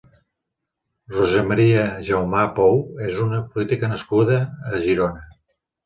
Rosa Maria Jaumà Pou és una política nascuda a Girona.